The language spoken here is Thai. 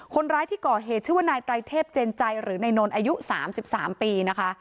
คนร้ายที่ก่อเหตุชื่อว่านายไตรเทพเจนใจหรือนายนนท์อายุ๓๓ปีนะคะ